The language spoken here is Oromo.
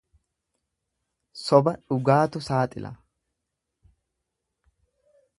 Soba dhugaatu saaxila.